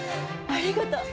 ありがとう。